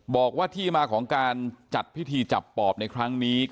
บอกว่าที่มาของการจัดพิธีจับปอบในครั้งนี้